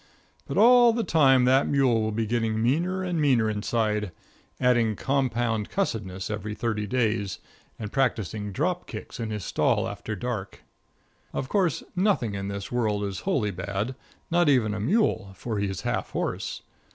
But all the time that mule will be getting meaner and meaner inside, adding compound cussedness every thirty days, and practicing drop kicks in his stall after dark. Of course, nothing in this world is wholly bad, not even a mule, for he is half horse.